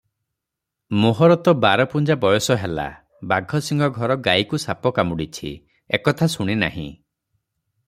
ମୋହର ତ ବାରପୁଞ୍ଜା ବୟସ ହେଲା, 'ବାଘସିଂହ ଘର ଗାଈକୁ ସାପ କାମୁଡ଼ିଛି', ଏକଥା ଶୁଣି ନାହିଁ।